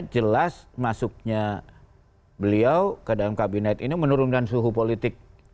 jelas masuknya beliau ke dalam kabinet ini menurunkan suhu politik